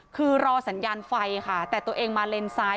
คือรอสัญญาณไฟค่ะแต่ตัวเองมาเลนซ้าย